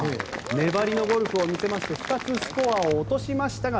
粘りのゴルフを見せまして２つスコアを落としましたが